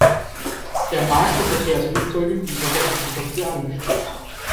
Der Markt für Verkehrsflugzeuge blieb aber insgesamt sehr angespannt.